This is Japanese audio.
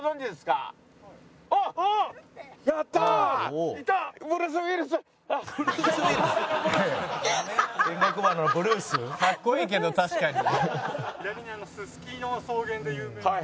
かっこいいけど確かに。